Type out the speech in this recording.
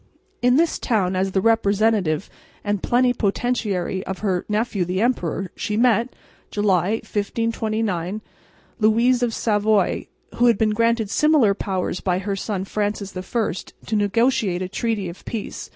In this town, as the representative and plenipotentiary of her nephew the emperor, she met, July, 1529, Louise of Savoy, who had been granted similar powers by her son Francis I, to negotiate a treaty of peace.